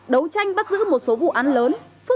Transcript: đấu tranh bắt giữ một số vụ án lớn